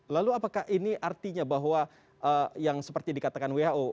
lalu apakah ini artinya bahwa yang seperti dikatakan who